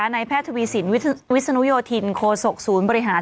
ในแพทย์ทวีสินวิศนุโยธินโคศกศูนย์บริหาร